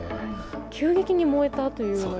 急激に燃えたというような？